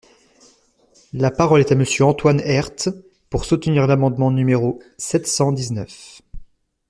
La parole est à Monsieur Antoine Herth, pour soutenir l’amendement numéro sept cent dix-neuf.